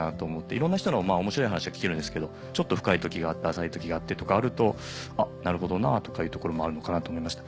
いろんな人の面白い話は聞けるんですけどちょっと深い時があって浅い時があってとかあると「あっなるほどな」というところもあるのかなと思いました。